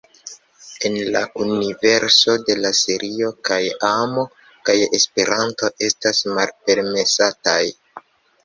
En la universo de la serio kaj amo kaj Esperanto estas malpermesataj.